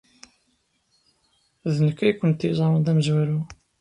D nekk ay kent-yeẓran d amezwaru.